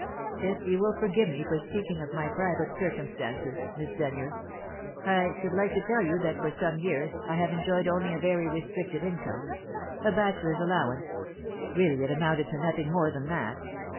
"If you will forgive me for speaking of my private circumstances, Miss Denyer, I should like to tell you that for some years I have enjoyed only a very restricted income; a bachelor's allowance really it amounted to nothing more than that.